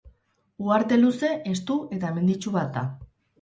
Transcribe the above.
Uharte luze, estu eta menditsu bat da.